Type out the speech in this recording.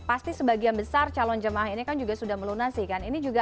pasti sebagian besar calon jemaah ini kan juga sudah melunasi kan